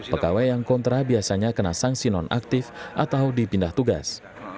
pegawai yang kontra biasanya kena sanksi non aktif atau dipindah tugas